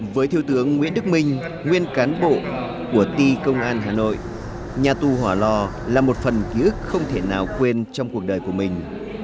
với thiếu tướng nguyễn đức minh nguyên cán bộ của ti công an hà nội nhà tù hỏa lò là một phần ký ức không thể nào quên trong cuộc đời của mình